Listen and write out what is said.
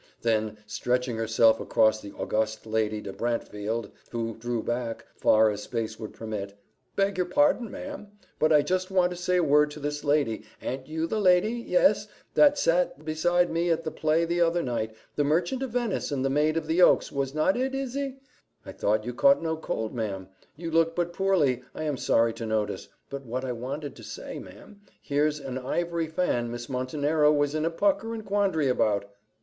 Then, stretching herself across the august Lady de Brantefield, who drew back, far as space would permit, "Beg your pardon, ma'am, but I just want to say a word to this lady. A'n't you the lady yes that sat beside me at the play the other night the Merchant of Venice and the Maid of the Oaks, was not it, Izzy? I hope you caught no cold, ma'am you look but poorly, I am sorry to notice but what I wanted to say, ma'am, here's an ivory fan Miss Montenero was in a pucker and quandary about."